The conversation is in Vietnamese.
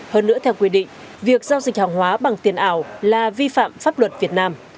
hơn nữa theo quy định việc giao dịch hàng hóa bằng tiền ảo là vi phạm pháp luật việt nam